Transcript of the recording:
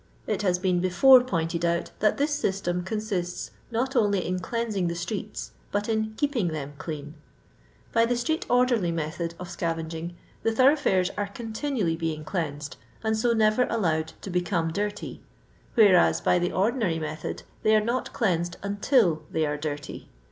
It has been before pointed out that this system consists not only in cleansing the streets, but in hetpingihtm clean. By the street orderly method of scavaging, the thorough fiures are continually being cleansed, and so never allowed to become dirty ; whereas, by the ordi nary method, they are not cleansed until they are dirty.